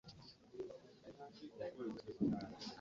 Njagala tubeere nga tukwatagana bulungi.